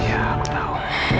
iya aku tahu